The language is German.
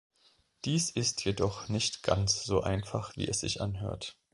Dies ist jedoch nicht ganz so einfach wie es sich anhört.